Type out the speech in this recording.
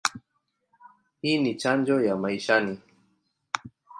Hii ni chanjo ya maishani.